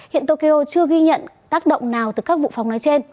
hiện tokyo chưa ghi nhận tác động nào từ các vụ phóng này